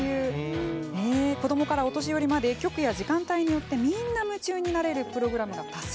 子どもからお年寄りまで局や時間帯によってみんな夢中になれるプログラムが多数。